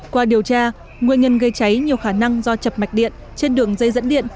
qua điều tra nguyên nhân gây cháy nhiều khả năng do chập mạch điện trên đường dây dẫn điện